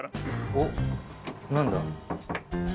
おっ何だ？